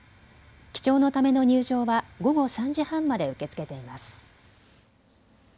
記帳のための入場は午後３時半まで受け付けています。